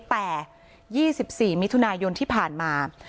แต่๒๔มิถุนายนที่ผ่านมา